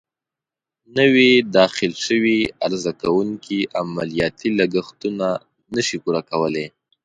نوي داخل شوي عرضه کوونکې عملیاتي لګښتونه نه شي پوره کولای.